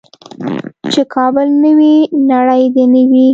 چې کابل نه وي نړۍ دې نه وي.